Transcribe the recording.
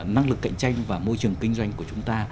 năng lực cạnh tranh và môi trường kinh doanh của chúng ta